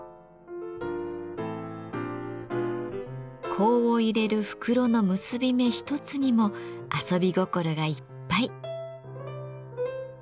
香を入れる袋の結び目一つにも遊び心がいっぱい。